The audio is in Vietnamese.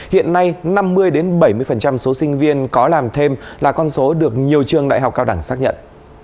hiện nay năm mươi bảy mươi số sinh viên có làm thêm là con số được nhiều trường đại học cao đẳng xác nhận